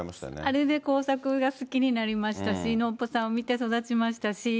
あれで工作が好きになりましたし、ノッポさん見て育ちましたし。